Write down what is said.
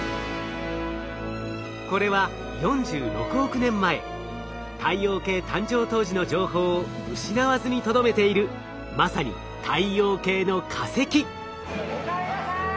これは４６億年前太陽系誕生当時の情報を失わずにとどめているまさにおかえりなさい！